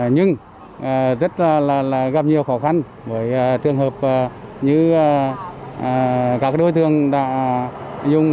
nhưng rất gặp nhiều khó khăn với trường hợp như các đối tượng đã dùng